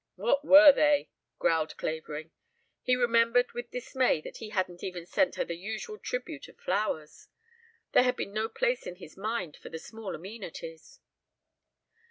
"What were they?" growled Clavering. He remembered with dismay that he hadn't even sent her the usual tribute of flowers. There had been no place in his mind for the small amenities.